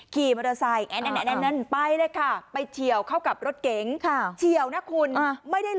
ก็กลายเป็นคลิปนี้ที่เขาวิจารกันเยอะ